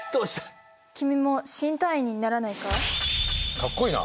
かっこいいな。